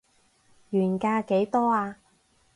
原價幾多啊